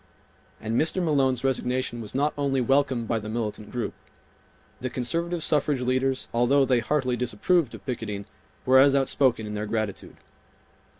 And Mr. Malone's resignation was not only welcomed by the militant group. The conservative suffrage leaders, although they heartily disapproved of , picketing, were as outspoken in their gratitude.